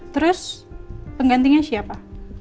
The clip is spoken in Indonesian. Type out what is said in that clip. terus penggantinya siapa